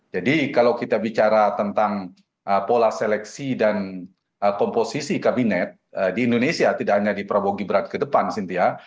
jadi kalau kita bicara tentang pola seleksi dan komposisi kabinet di indonesia tidak hanya di prabowo gibrat ke depan cynthia